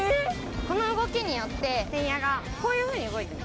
この動きによってテンヤがこういうふうに動いてる。